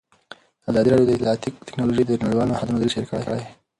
ازادي راډیو د اطلاعاتی تکنالوژي د نړیوالو نهادونو دریځ شریک کړی.